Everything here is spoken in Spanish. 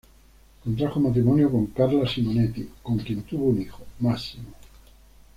Contrajo matrimonio con Carla Simonetti, con quien tuvo un hijo, Massimo.